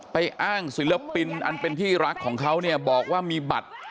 อ้างศิลปินอันเป็นที่รักของเขาเนี่ยบอกว่ามีบัตร